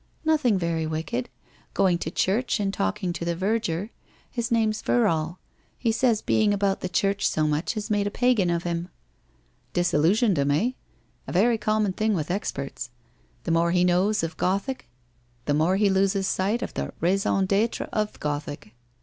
' Nothing very wicked. Going to church, and talking to (he verger. His name's Verrall. Ee saya being about the church so much has made a pagan of him.' 'Disillusioned him, eh? A very common thing with experts! The more he knows of Gothic, the more he loses 298 WlilTE ROSE OF WEARY LEAF sight of the raison d'etre of Gothic.